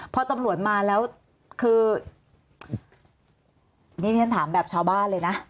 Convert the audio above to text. พอตำรวจมาแล้วคือนี่ฉันถามแบบชาวบ้านเลยนะ